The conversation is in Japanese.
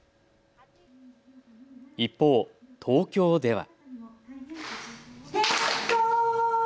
一方、東京では。